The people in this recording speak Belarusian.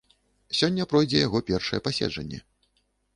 Сёння пройдзе яго першае паседжанне.